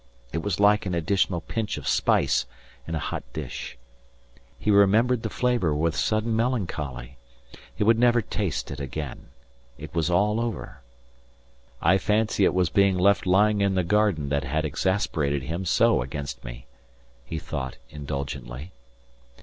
It was like an additional pinch of spice in a hot dish. He remembered the flavour with sudden melancholy. He would never taste it again. It was all over.... "I fancy it was being left lying in the garden that had exasperated him so against me," he thought indulgently.